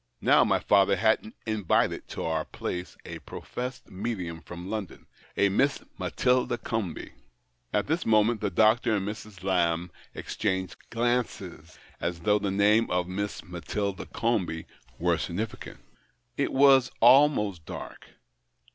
Now, my father had invited to our place a professed medium from London— a Miss Matilda Comby." At this moment the doctor and Mrs. Lamb exchanged glances, as though the name of Miss Matilda Comby were significant. It was almost dark.